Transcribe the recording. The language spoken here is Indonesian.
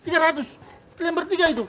kiliang bertiga itu